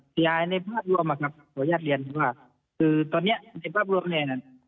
เสียหายในภาพรวมครับครับข่าวญาติเรียนคือว่าคือตอนเนี่ยในภาพรวมเนี่ยนะ